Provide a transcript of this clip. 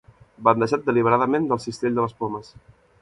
Bandejat deliberadament del cistell de les pomes.